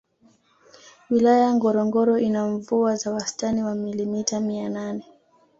Wilaya Ngorongoro ina mvua za wastani wa milimita mia nane